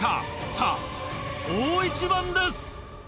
さぁ大一番です。